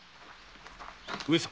上様